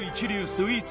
スイーツ